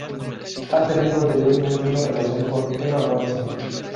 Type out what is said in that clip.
Ha tenido anteriormente una relación con Emma Watson.